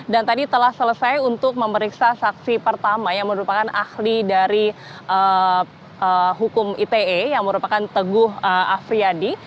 dan tadi telah selesai untuk memeriksa saksi pertama yang merupakan ahli dari hukum ite yang merupakan teguh afriyadi